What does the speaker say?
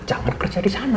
jangan kerja di sana